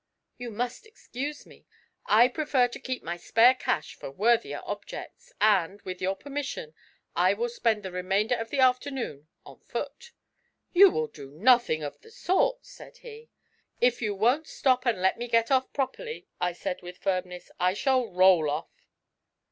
'You must excuse me. I prefer to keep my spare cash for worthier objects; and, with your permission, I will spend the remainder of the afternoon on foot.' 'You will do nothing of the sort,' said he. 'If you won't stop, and let me get off properly,' I said with firmness, 'I shall roll off.'